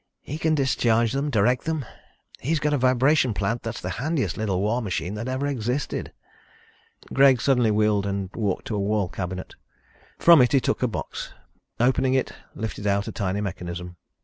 He can discharge them, direct them. He's got a vibration plant that's the handiest little war machine that ever existed." Greg suddenly wheeled and walked to a wall cabinet. From it he took a box and, opening it, lifted out a tiny mechanism.